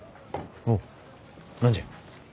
おう何じゃ？